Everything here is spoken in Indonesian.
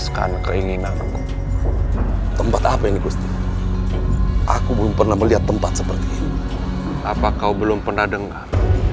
kau pernah dengar